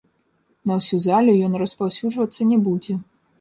На ўсю залю ён распаўсюджвацца не будзе.